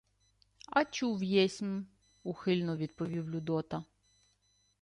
— А чув єсмь, — ухильно відповів Людота.